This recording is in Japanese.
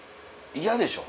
嫌でしょ？